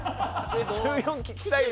１４聞きたい。